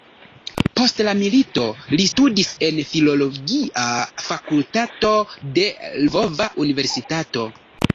Post la milito li studis en filologia fakultato de Lvova universitato.